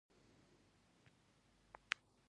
د تمباکو پاڼې د څه لپاره وکاروم؟